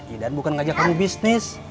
ida bukan ngajak kamu bisnis